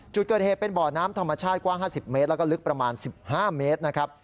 จุดเกิดเหตุเป็นบ่อน้ำธรรมชาติกว้าง๕๐เมตรแล้วก็ลึกประมาณ๑๕เมตรนะครับ